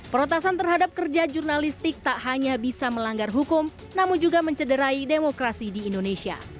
peretasan terhadap kerja jurnalistik tak hanya bisa melanggar hukum namun juga mencederai demokrasi di indonesia